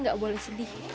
gue gak boleh sedih